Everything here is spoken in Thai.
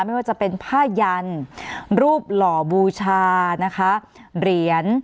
ไม่ว่าจะเป็นผ้ายันรูปหล่อบูชานะคะเหรียญ